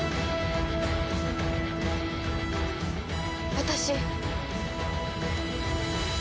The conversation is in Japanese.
私。